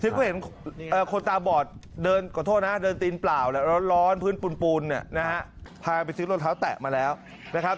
ที่ก็เห็นคนตาบอดเดินตีนเปล่าแล้วร้อนพื้นปูนนะฮะพาไปซื้อรถเท้าแตะมาแล้วนะครับ